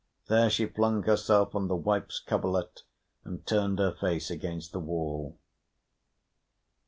There she flung herself on the wife's coverlet, and turned her face against the wall.